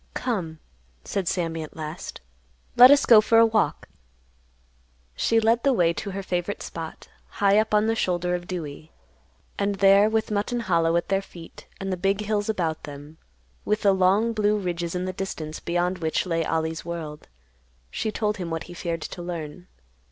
"Come," said Sammy at last. "Let us go for a walk." She led the way to her favorite spot, high up on the shoulder of Dewey, and there, with Mutton Hollow at their feet and the big hills about them, with the long blue ridges in the distance beyond which lay Ollie's world, she told him what he feared to learn.